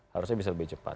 harusnya bisa lebih cepat